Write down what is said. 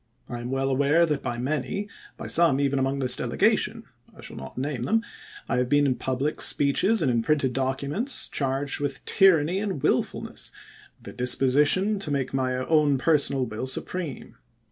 I am well aware that by many, by some even among this delega tion— I shall not name them — I have been in public speeches and in j^rinted documents charged with ' tyranny and willfulness,' with a disposition to make my own personal will supreme.